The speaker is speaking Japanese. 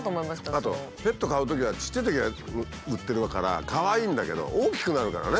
あとペット飼うときはちっちゃいときを売ってるからかわいいんだけど大きくなるからね。